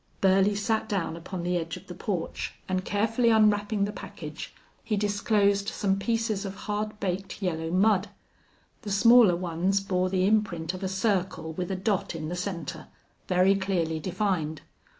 Burley sat down upon the edge of the porch and, carefully unwrapping the package, he disclosed some pieces of hard baked yellow mud. The smaller ones bore the imprint of a circle with a dot in the center, very clearly defined.